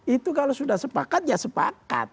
itu kalau sudah sepakat ya sepakat